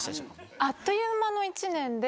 あっという間の１年で。